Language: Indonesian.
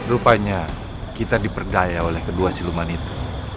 rupanya kita diperdaya oleh kedua siluman itu